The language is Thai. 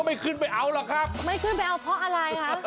เพราะอะไรฮะ